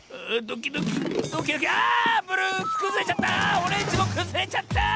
オレンジもくずれちゃった！